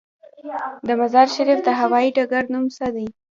د مزار شریف هوايي ډګر نوم څه دی؟